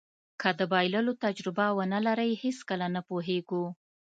که د بایللو تجربه ونلرئ هېڅکله نه پوهېږو.